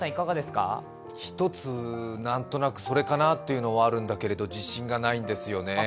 １つ、何となく、それかなというのはあるんですけど、自信がないんですよね。